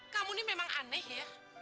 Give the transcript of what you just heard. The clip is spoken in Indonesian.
kamu ini memang aneh ya